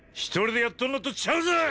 １人でやっとんのとちゃうぞ！！